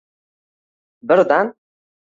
Birdan…